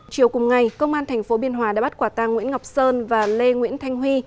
chiều cùng ngày công an tp biên hòa đã bắt quả tang nguyễn ngọc sơn và lê nguyễn thanh huy